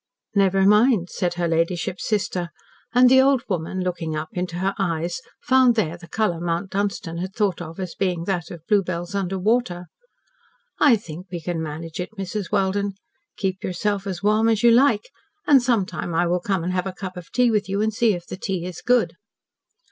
"Never mind," said her ladyship's sister, and the old woman, looking up into her eyes, found there the colour Mount Dunstan had thought of as being that of bluebells under water. "I think we can manage it, Mrs. Welden. Keep yourself as warm as you like, and sometime I will come and have a cup of tea with you and see if the tea is good."